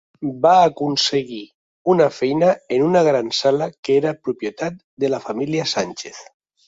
Va aconseguir una feina en una gran sala que era propietat de la família Sánchez.